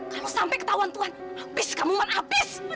kalau sampai ketahuan tuhan habis kamu man habis